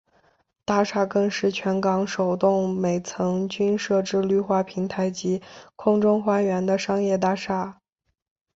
大厦更是全港首幢每层均设置绿化平台及空中花园的商业大厦。